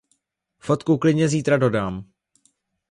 Fotku klidně zítra dodám.